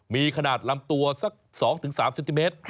มีขนาดลำตัวสัก๒๓เซนติเมตร